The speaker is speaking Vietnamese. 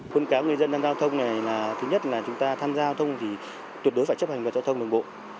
quân cáo người dân giao thông này là thứ nhất là chúng ta tham gia giao thông thì tuyệt đối phải chấp hành giao thông đồng bộ